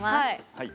はい。